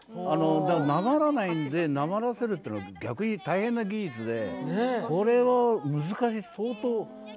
なまらないんでなまらせるっていうのは逆に大変な技術でこれは相当難しいことやってる。